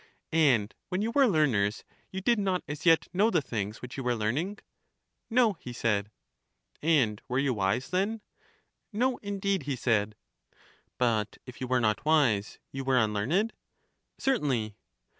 And when you were learners you did not as yet know the things which you were learning? No, he said. And were you wise then? No, indeed, he said. But if you were not wise you were unlearned? Certainly.